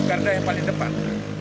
karga yang paling depan